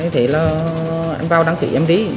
thế là anh vào đăng ký em đi